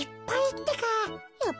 ってか。